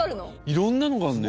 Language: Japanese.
色んなのがあるね。